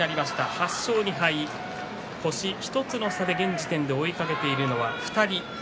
８勝２敗星２つの差で現時点で追いかけているのは２人です